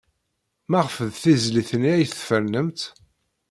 Maɣef d tizlit-nni ay tfernemt?